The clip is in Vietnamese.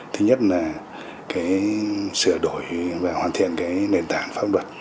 thứ nhất là sửa đổi hoàn thiện nền tảng pháp luật